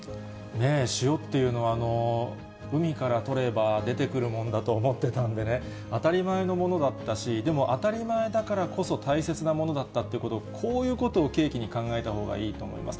塩っていうのは、海から取れば出てくるものだと思ってたんでね、当たり前のものだったし、でも当たり前だからこそ、大切なものだったということを、こういうことを契機に考えたほうがいいと思います。